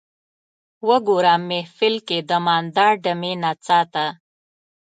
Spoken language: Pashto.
وګوره محفل کې د مانده ډمې نڅا ته